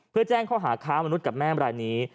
เพื่อแจ้งข้อหาค้ามนุษย์กับแม่มรายนี้